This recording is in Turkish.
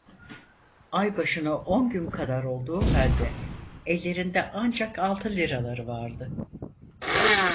Ay başına on gün kadar olduğu halde ellerinde ancak altı liraları vardı.